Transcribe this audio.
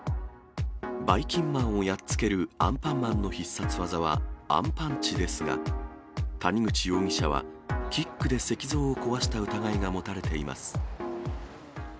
ばいきんまんをやっつけるアンパンマンの必殺技はアンパンチですが、谷口容疑者は、キックで石像を壊した疑いが持たれています。